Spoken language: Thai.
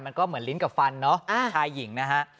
มันก็เหมือนลินกับฟันนะครับชายหญิง